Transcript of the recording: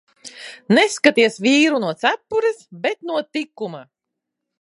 Neskaities vīru no cepures, bet no tikuma.